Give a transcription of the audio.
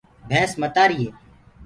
ڀينٚس متآريٚ هي